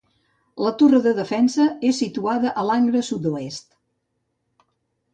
La torre de defensa és situada a l'angle sud-oest.